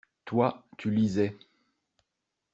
Toi, tu lisais.